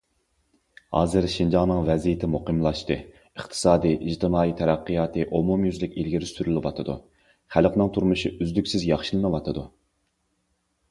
ھازىر شىنجاڭنىڭ ۋەزىيىتى مۇقىملاشتى، ئىقتىسادىي، ئىجتىمائىي تەرەققىياتى ئومۇميۈزلۈك ئىلگىرى سۈرۈلۈۋاتىدۇ، خەلقنىڭ تۇرمۇشى ئۈزلۈكسىز ياخشىلىنىۋاتىدۇ.